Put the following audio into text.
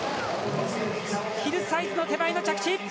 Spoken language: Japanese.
ヒルサイズの手前の着地！